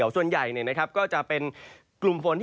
ส่วนใหญ่ก็จะเป็นกลุ่มฝน